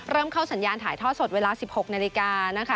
เริ่มเข้าสัญญาณถ่ายทอดสดเวลา๑๖นาฬิกานะคะ